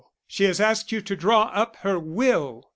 she has asked you to draw up her will!"